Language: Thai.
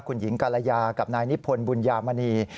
คุณหญิงกาลยากับนายนิพนธ์บุญยามณี